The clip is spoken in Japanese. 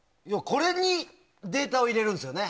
これにデータを入れるんですよね。